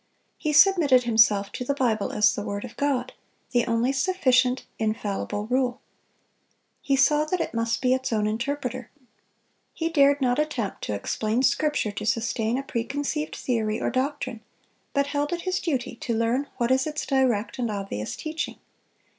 He submitted himself to the Bible as the word of God, the only sufficient, infallible rule. He saw that it must be its own interpreter. He dared not attempt to explain Scripture to sustain a preconceived theory or doctrine, but held it his duty to learn what is its direct and obvious teaching.